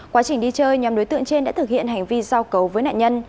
quá trình đi chơi nhằm đối tượng trên đã thực hiện hành vi giáo cấu với nạn nhân